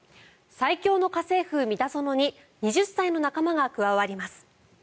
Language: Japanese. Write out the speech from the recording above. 最恐の家政夫「ミタゾノ」に２０歳の仲間が加わります。